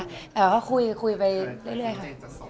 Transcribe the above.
แต่ว่าก็คุยไปเรื่อยค่ะ